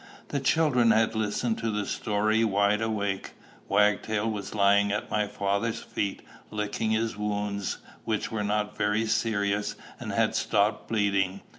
The children had listened to the story wide awake. Wagtail was lying at my father's feet, licking his wounds, which were not very serious, and had stopped bleeding.